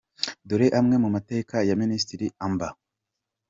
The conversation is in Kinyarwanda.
Dore amwe mu mateka ya Minisitiri, Amb.